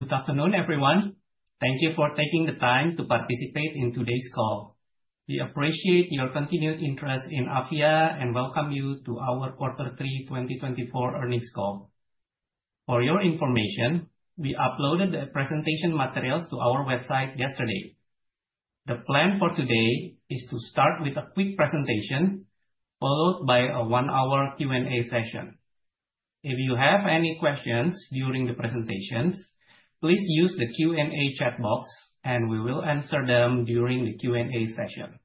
Good afternoon, everyone. Thank you for taking the time to participate in today's call. We appreciate your continued interest in Avia and welcome you to our Q3 2024 earnings call. For your information, we uploaded the presentation materials to our website yesterday. The plan for today is to start with a quick presentation, followed by a one-hour Q&A session. If you have any questions during the presentations, please use the Q&A chat box, and we will answer them during the Q&A session.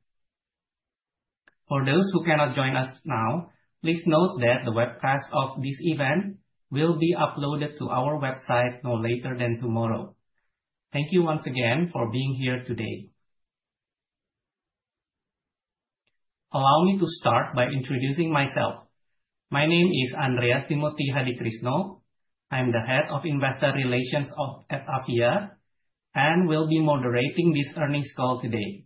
For those who cannot join us now, please note that the webcast of this event will be uploaded to our website no later than tomorrow. Thank you once again for being here today. Allow me to start by introducing myself. My name is Andreas Timothy Hadikrisno. I'm the Head of Investor Relations at Avia and will be moderating this earnings call today.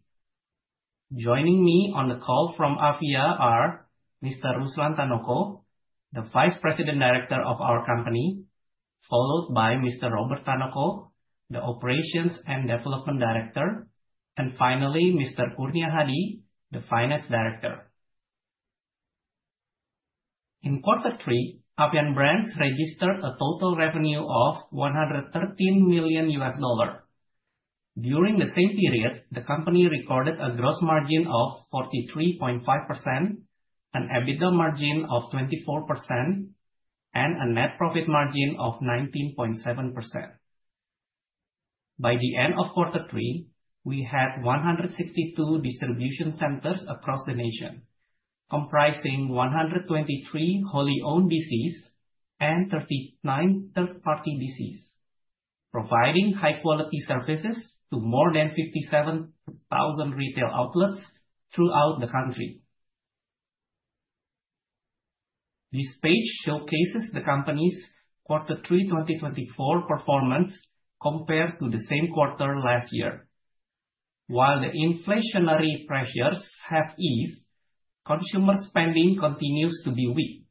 Joining me on the call from Avian are Mr. Ruslan Tanoko, the Vice President Director of our company, followed by Mr. Robert Tanoko, the Operations and Development Director, and finally, Mr. Kurnia Hadi, the Finance Director. In Q3, Avian Brands registered a total revenue of $113 million. During the same period, the company recorded a gross margin of 43.5%, an EBITDA margin of 24%, and a net profit margin of 19.7%. By the end of Q3, we had 162 distribution centers across the nation, comprising 123 wholly owned DCs and 39 third-party DCs, providing high-quality services to more than 57,000 retail outlets throughout the country. This page showcases the company's Q3, 2024 performance compared to the same quarter last year. While the inflationary pressures have eased, consumer spending continues to be weak.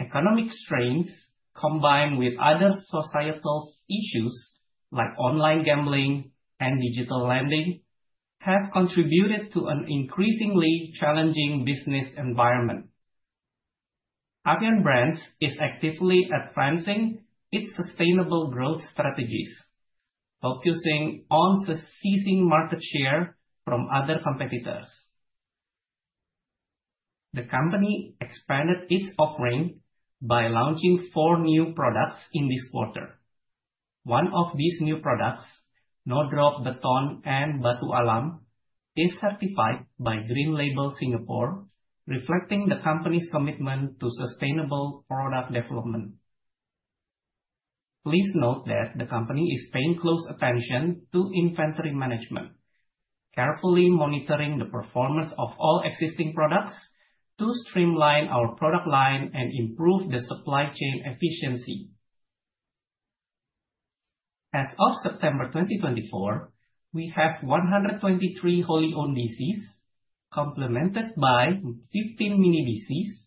Economic strains, combined with other societal issues like online gambling and digital lending, have contributed to an increasingly challenging business environment. Avian Brands is actively advancing its sustainable growth strategies, focusing on seizing market share from other competitors. The company expanded its offering by launching four new products in this quarter. One of these new products, No Drop Beton and Batu Alam, is certified by Green Label Singapore, reflecting the company's commitment to sustainable product development. Please note that the company is paying close attention to inventory management, carefully monitoring the performance of all existing products to streamline our product line and improve the supply chain efficiency. As of September 2024, we have 123 wholly owned DCs, complemented by 15 mini DCs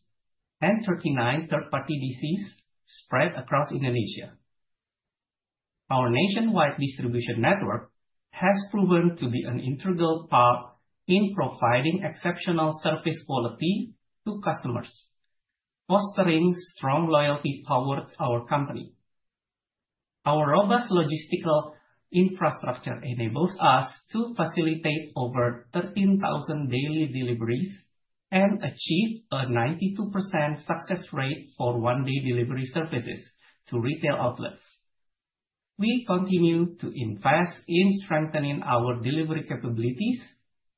and 39 third-party DCs spread across Indonesia. Our nationwide distribution network has proven to be an integral part in providing exceptional service quality to customers, fostering strong loyalty towards our company. Our robust logistical infrastructure enables us to facilitate over 13,000 daily deliveries and achieve a 92% success rate for one-day delivery services to retail outlets. We continue to invest in strengthening our delivery capabilities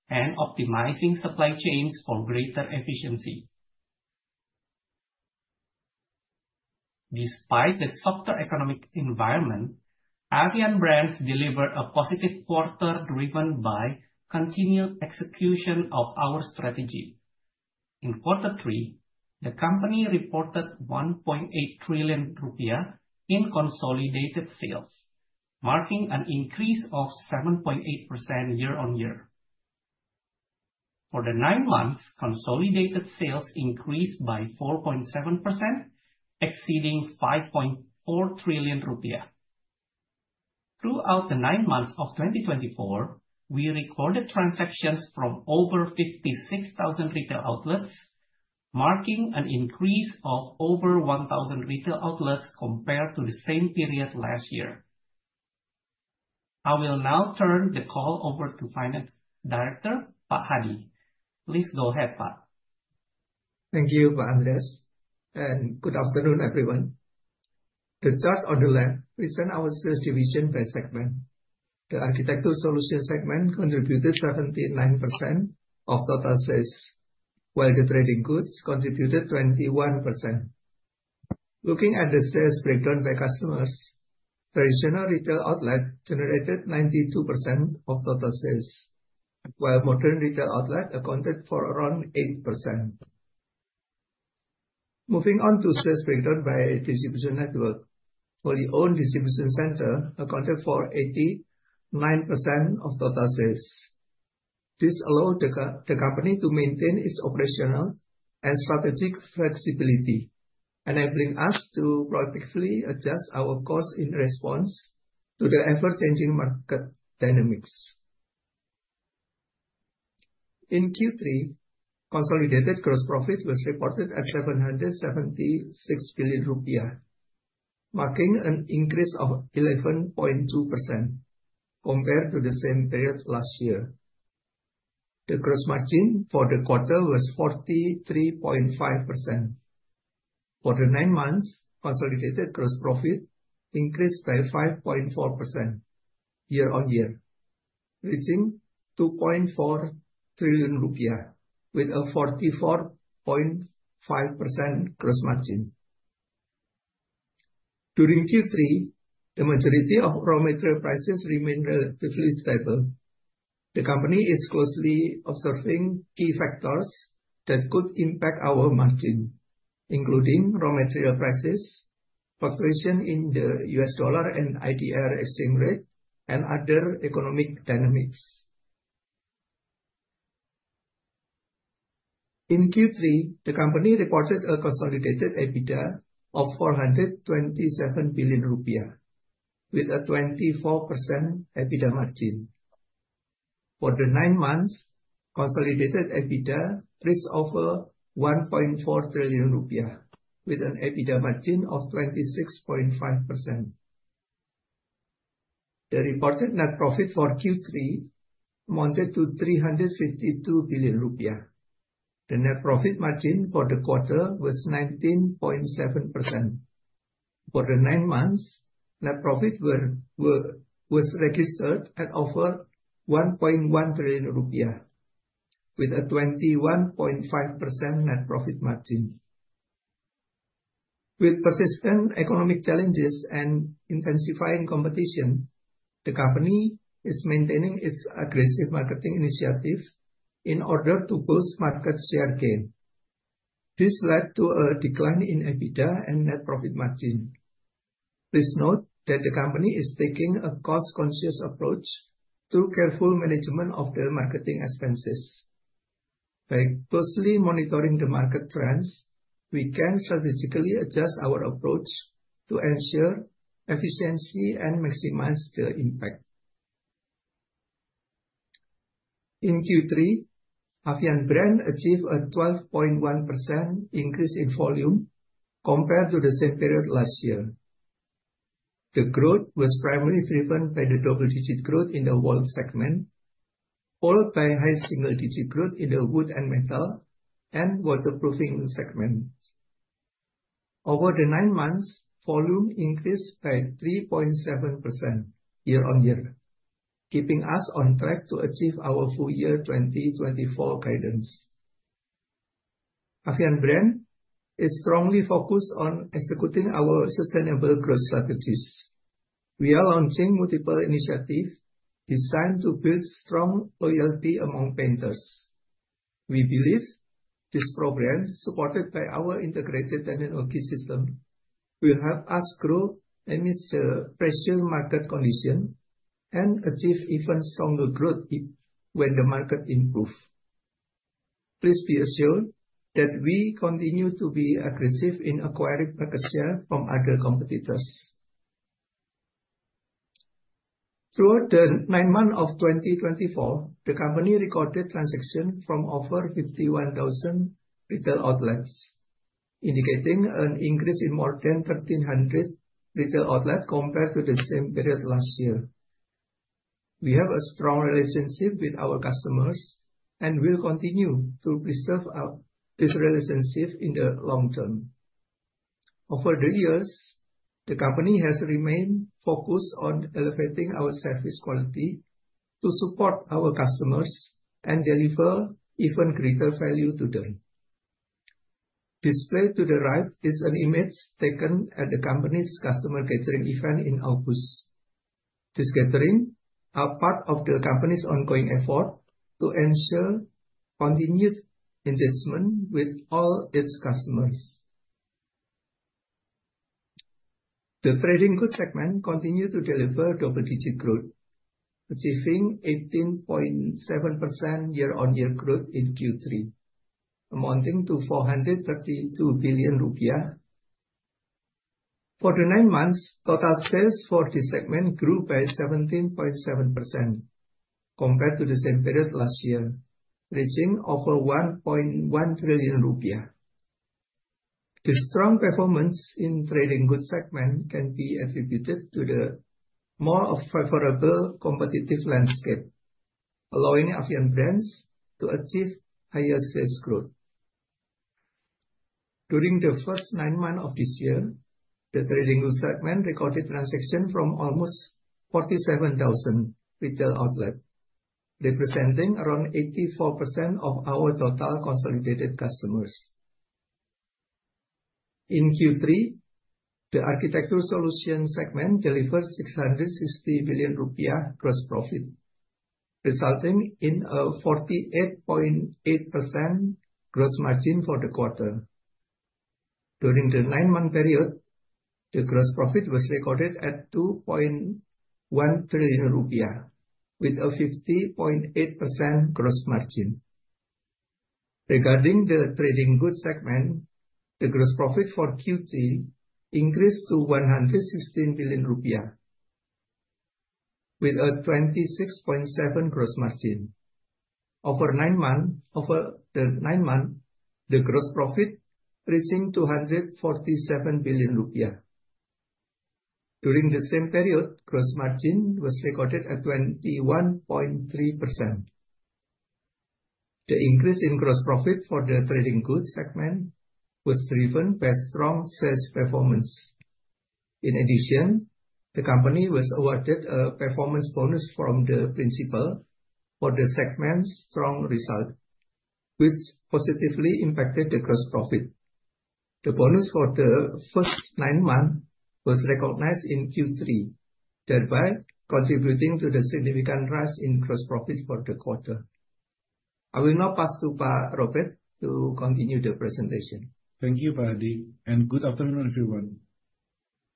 and optimizing supply chains for greater efficiency. Despite the softer economic environment, Avian Brands delivered a positive quarter driven by continued execution of our strategy. In Q3, the company reported Rp 1.8 trillion in consolidated sales, marking an increase of 7.8% year-on-year. For the nine months, consolidated sales increased by 4.7%, exceeding Rp 5.4 trillion. Throughout the nine months of 2024, we recorded transactions from over 56,000 retail outlets, marking an increase of over 1,000 retail outlets compared to the same period last year. I will now turn the call over to Finance Director, Pak Hadi. Please go ahead, Pak. Thank you, Pak Andreas. And good afternoon, everyone. The chart on the left represents our sales division by segment. The architecture solution segment contributed 79% of total sales, while the trading goods contributed 21%. Looking at the sales breakdown by customers, traditional retail outlet generated 92% of total sales, while modern retail outlet accounted for around 8%. Moving on to sales breakdown by distribution network, wholly owned distribution center accounted for 89% of total sales. This allowed the company to maintain its operational and strategic flexibility, enabling us to proactively adjust our course in response to the ever-changing market dynamics. In Q3, consolidated gross profit was reported at 776 billion rupiah, marking an increase of 11.2% compared to the same period last year. The gross margin for the quarter was 43.5%. For the nine months, consolidated gross profit increased by 5.4% year-on-year, reaching IDR 2.4 trillion, with a 44.5% gross margin. During Q3, the majority of raw material prices remained relatively stable. The company is closely observing key factors that could impact our margin, including raw material prices, fluctuation in the US dollar and IDR exchange rate, and other economic dynamics. In Q3, the company reported a consolidated EBITDA of Rp 427 billion, with a 24% EBITDA margin. For the nine months, consolidated EBITDA reached over Rp 1.4 trillion, with an EBITDA margin of 26.5%. The reported net profit for Q3 amounted to Rp 352 billion. The net profit margin for the quarter was 19.7%. For the nine months, net profit was registered at over Rp 1.1 trillion, with a 21.5% net profit margin. With persistent economic challenges and intensifying competition, the company is maintaining its aggressive marketing initiative in order to boost market share gain. This led to a decline in EBITDA and net profit margin. Please note that the company is taking a cost-conscious approach to careful management of their marketing expenses. By closely monitoring the market trends, we can strategically adjust our approach to ensure efficiency and maximize the impact. In Q3, Avian Brands achieved a 12.1% increase in volume compared to the same period last year. The growth was primarily driven by the double-digit growth in the wall segment, followed by high single-digit growth in the wood and metal and waterproofing segment. Over the nine months, volume increased by 3.7% year-on-year, keeping us on track to achieve our full-year 2024 guidance. Avian Brands is strongly focused on executing our sustainable growth strategies. We are launching multiple initiatives designed to build strong loyalty among painters. We believe this program, supported by our integrated technology system, will help us grow amidst pressured market conditions and achieve even stronger growth when the market improves. Please be assured that we continue to be aggressive in acquiring market share from other competitors. Throughout the nine months of 2024, the company recorded transactions from over 51,000 retail outlets, indicating an increase in more than 1,300 retail outlets compared to the same period last year. We have a strong relationship with our customers and will continue to preserve this relationship in the long term. Over the years, the company has remained focused on elevating our service quality to support our customers and deliver even greater value to them. Displayed to the right is an image taken at the company's customer catering event in August. This catering is part of the company's ongoing effort to ensure continued engagement with all its customers. The trading goods segment continued to deliver double-digit growth, achieving 18.7% year-on-year growth in Q3, amounting to Rp 432 billion. For the nine months, total sales for this segment grew by 17.7% compared to the same period last year, reaching over 1.1 trillion rupiah. This strong performance in the trading goods segment can be attributed to the more favorable competitive landscape, allowing Avian Brands to achieve higher sales growth. During the first nine months of this year, the trading goods segment recorded transactions from almost 47,000 retail outlets, representing around 84% of our total consolidated customers. In Q3, the architecture solution segment delivered 660 billion rupiah gross profit, resulting in a 48.8% gross margin for the quarter. During the nine-month period, the gross profit was recorded at 2.1 trillion rupiah, with a 50.8% gross margin. Regarding the trading goods segment, the gross profit for Q3 increased to 116 billion rupiah, with a 26.7% gross margin. Over nine months, the gross profit reached 247 billion rupiah. During the same period, gross margin was recorded at 21.3%. The increase in gross profit for the trading goods segment was driven by strong sales performance. In addition, the company was awarded a performance bonus from the principal for the segment's strong result, which positively impacted the gross profit. The bonus for the first nine months was recognized in Q3, thereby contributing to the significant rise in gross profit for the quarter. I will now pass to Pak Robert to continue the presentation. Thank you, Pak Hadik. And good afternoon, everyone.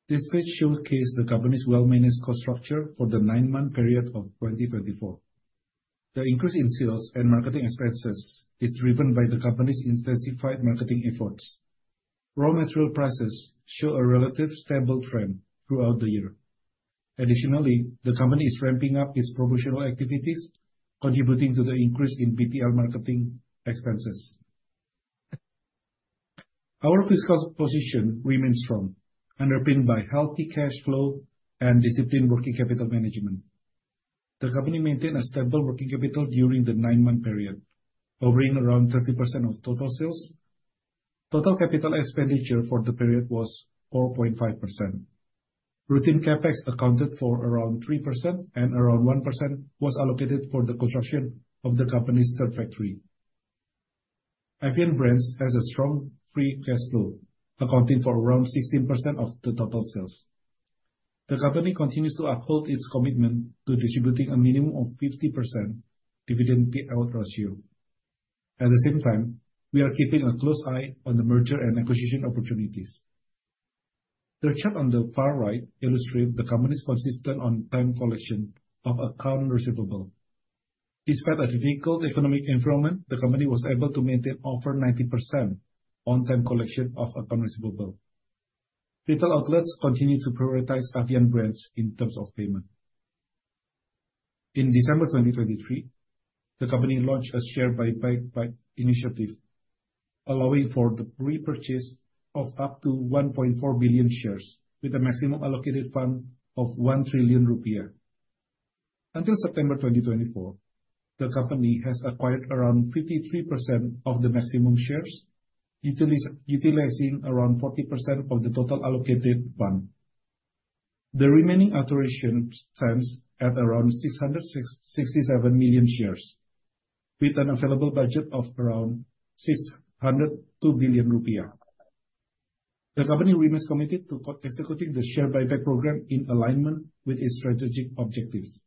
This page showcases the company's well-managed cost structure for the nine-month period of 2024. The increase in sales and marketing expenses is driven by the company's intensified marketing efforts. Raw material prices show a relative stable trend throughout the year. Additionally, the company is ramping up its promotional activities, contributing to the increase in PT Avian marketing expenses. Our fiscal position remains strong, underpinned by healthy cash flow and disciplined working capital management. The company maintained a stable working capital during the nine-month period, covering around 30% of total sales. Total capital expenditure for the period was 4.5%. Routine CapEx accounted for around 3%, and around 1% was allocated for the construction of the company's third factory. Avian Brands has a strong free cash flow, accounting for around 16% of the total sales. The company continues to uphold its commitment to distributing a minimum of 50% dividend payout ratio. At the same time, we are keeping a close eye on the merger and acquisition opportunities. The chart on the far right illustrates the company's consistent on-time collection of account receivable. Despite a difficult economic environment, the company was able to maintain over 90% on-time collection of account receivable. Retail outlets continue to prioritize Avian Brands in terms of payment. In December 2023, the company launched a share buyback initiative, allowing for the repurchase of up to Rp 1.4 billion shares, with a maximum allocated fund of Rp 1 trillion. Until September 2024, the company has acquired around 53% of the maximum shares, utilizing around 40% of the total allocated fund. The remaining authorization stands at around Rp 667 million shares, with an available budget of around Rp 602 billion. The company remains committed to executing the share buyback program in alignment with its strategic objectives.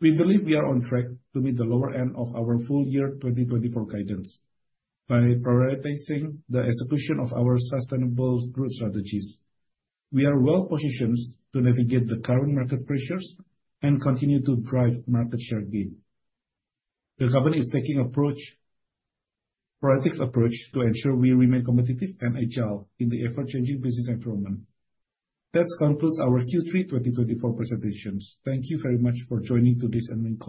We believe we are on track to meet the lower end of our full-year 2024 guidance. By prioritizing the execution of our sustainable growth strategies, we are well-positioned to navigate the current market pressures and continue to drive market share gain. The company is taking a proactive approach to ensure we remain competitive and agile in the ever-changing business environment. That concludes our Q3 2024 presentations. Thank you very much for joining today's call.